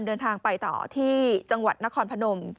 เดินทางไปต่อที่จังหวัดนครพนม